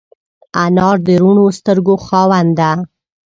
انا د روڼو سترګو خاوند ده